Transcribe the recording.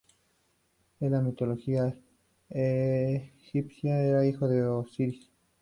En la mitología egipcia era hijo de Osiris.